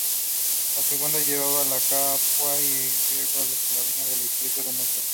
La segunda llevaba de Capua a Regio de Calabria en el estrecho de Mesina.